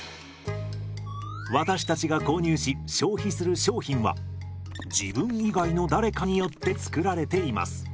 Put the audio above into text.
私たちが購入し消費する商品は自分以外の誰かによって作られています。